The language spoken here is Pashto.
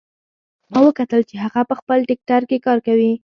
ما وکتل چې هغه په خپل ټکټر کار کوي